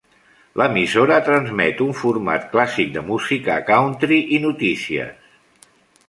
L'emissora transmet un format clàssic de música country i notícies.